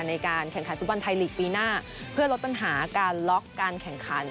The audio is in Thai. ในการแข่งขันฟุตบอลไทยลีกปีหน้าเพื่อลดปัญหาการล็อกการแข่งขัน